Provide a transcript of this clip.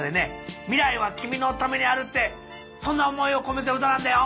「未来はキミのためにある」ってそんな思いを込めた歌なんだよ！